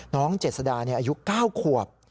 น้องเจ็ดสดาอายุ๙ขวบ